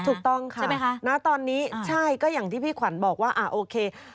ใช่ต้องค่ะตอนนี้ใช่ก็อย่างที่พี่ขวัญบอกว่าอ่าโอเค